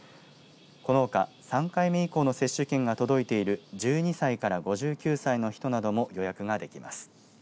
このほか、３回目以降の接種券が届いている１２歳から５９歳の人なども予約ができます。